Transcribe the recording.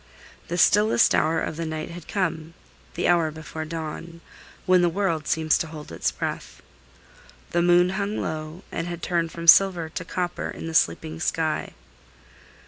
The stillest hour of the night had come, the hour before dawn, when the world seems to hold its breath. The moon hung low, and had turned from silver to copper in the sleeping sky.